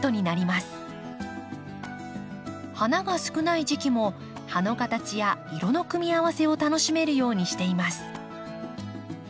花が少ない時期も葉の形や色の組み合わせを楽しめるようにしています。